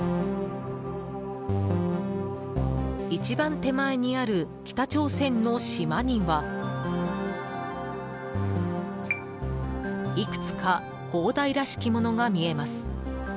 一番手前にある北朝鮮の島にはいくつか砲台らしきものが見えます。